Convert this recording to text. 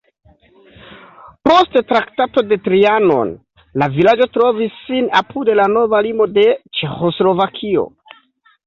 Post Traktato de Trianon la vilaĝo trovis sin apud la nova limo de Ĉeĥoslovakio.